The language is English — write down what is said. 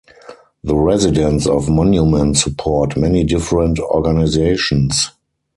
The residents of Monument support many different organizations.